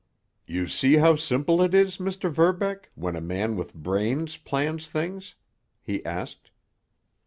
"You see how simple it is, Mr. Verbeck, when a man with brains plans things?" he asked.